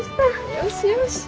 よしよし。